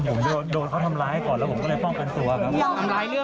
ผมโดนโดนเขาทำร้ายก่อนแล้วผมก็เลยป้องกันตัวครับ